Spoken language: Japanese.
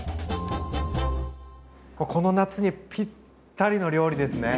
この夏にぴったりの料理ですね。